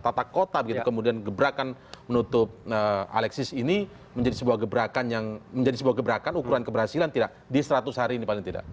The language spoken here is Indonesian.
tata kota begitu kemudian gebrakan menutup alexis ini menjadi sebuah gebrakan yang menjadi sebuah gebrakan ukuran keberhasilan tidak di seratus hari ini paling tidak